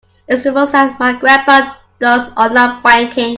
It's the first time my grandpa does online banking.